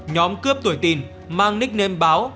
nhóm cướp tuổi tin mang nickname báo